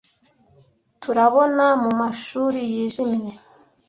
turabona mumashuri yijimye